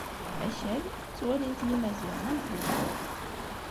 Akal, ttwalin-t Yimaziɣen am tmeṭṭut.